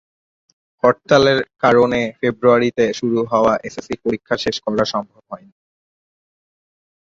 হরতালের কারণে ফেব্রুয়ারিতে শুরু হওয়া এসএসসি পরীক্ষা শেষ করা সম্ভব হয়নি।